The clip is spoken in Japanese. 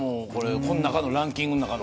このランキングの中の。